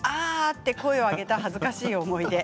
っと声を上げた恥ずかしい思い出。